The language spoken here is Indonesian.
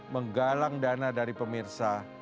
menggalang dana dari pemirsa